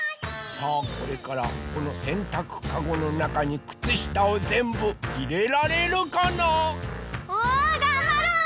さあこれからこのせんたくカゴのなかにくつしたをぜんぶいれられるかな？わがんばる！